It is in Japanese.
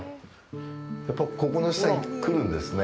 やっぱりここの下に来るんですね